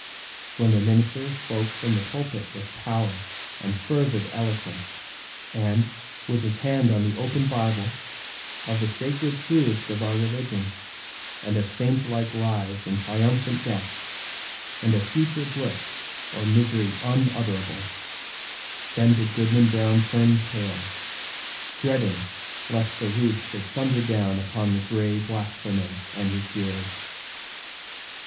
When the minister spoke from the pulpit with power and fervid eloquence, and, with his hand on the open Bible, of the sacred truths of our religion, and of saint like lives and triumphant deaths, and of future bliss or misery unutterable, then did Goodman Brown turn pale, dreading lest the roof should thunder down upon the gray blasphemer and his hearers.